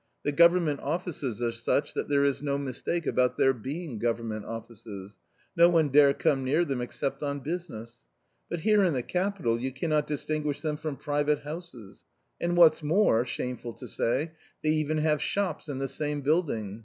The Government offices are such that there is no mistake about their being Government offices; no one dare come near them except on business. But here in the capital you cannot distinguish them from private houses, and what's more, shameful to say, they even have shops in the same building.